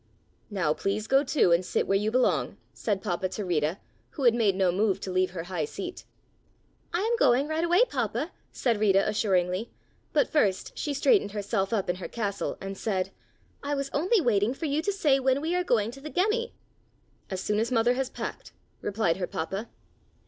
"Now please go too and sit where you belong!" said Papa to Rita, who had made no move to leave her high seat. "I am going right away, Papa," said Rita assuringly, but first she straightened herself up in her castle, and said: "I was only waiting for you to say when we are going to the Gemmi." "As soon as Mother has packed," replied her Papa.